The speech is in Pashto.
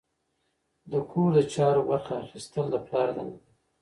د کور د چارو برخه اخیستل د پلار دنده ده.